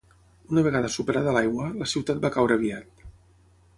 Una vegada superada l'aigua, la ciutat va caure aviat.